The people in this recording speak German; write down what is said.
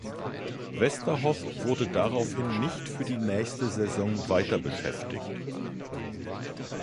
Westerhoff wurde daraufhin nicht für die nächste Saison weiter beschäftigt.